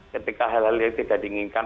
ketika hal hal yang tidak diinginkan